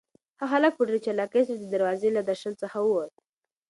هلک په ډېر چالاکۍ سره د دروازې له درشل څخه ووت.